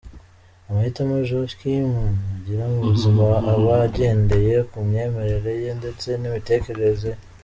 Amahitamo Joachim agira mu buzima aba agendeye ku myemerere ye ndetse n’imitekerereze ye.